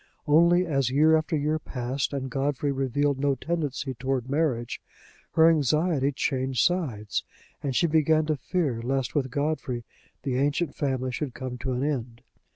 Only as year after year passed and Godfrey revealed no tendency toward marriage, her anxiety changed sides, and she began to fear lest with Godfrey the ancient family should come to an end.